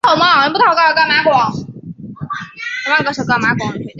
永平县是中华人民共和国云南省大理白族自治州下属的一个县。